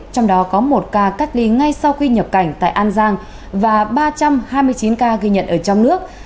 trong đó có một ca cách ly ngay sau khi nhập cảnh tại an giang và ba trăm hai mươi chín ca ghi nhận ở trong nước